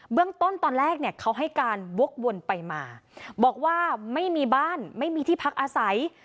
เรื่องต้นตอนแรกเนี่ยเขาให้การวกวนไปมาบอกว่าไม่มีบ้านไม่มีที่พักอาศัย